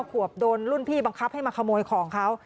ขวบโดนรุ่นพี่บังคับให้มาขโมยของเขา